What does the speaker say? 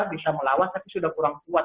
bisa melawan tapi sudah kurang kuat